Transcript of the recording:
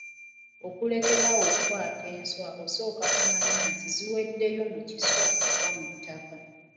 Okulekerawo okukwata enswa osooka kumanya nti ziweddeyo mu kiswa oba mu ttaka.